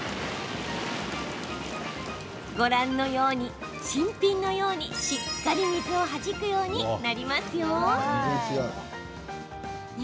ご覧のように、新品のようにしっかり水をはじくようになりますよ。